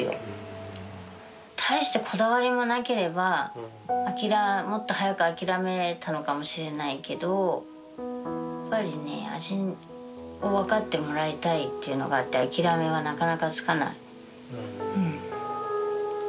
大してこだわりもなければもっと早く諦めたのかもしれないけどやっぱり味を分かってもらいたいっていうのがあって諦めはなかなかつかない。